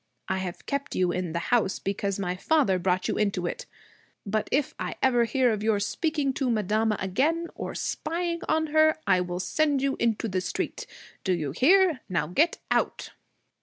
I have kept you in the house because my father brought you into it; but if I ever hear of your speaking to madama again, or spying on her, I will send you into the street. Do you hear? Now get out!'